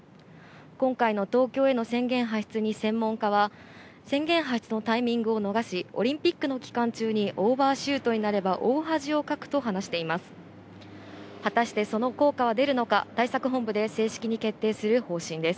今回の東京への宣言発出に専門家は宣言発出のタイミングを逃しオリンピック期間中にオーバーシュートになれば大恥をかくと話しています。